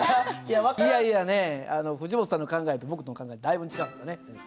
いやいやねえ藤本さんの考えと僕の考えだいぶん違うんですよね。